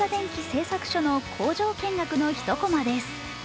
製作所の工場見学の一こまです。